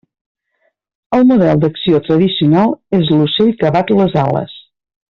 El model d'acció tradicional és l'ocell que bat les ales.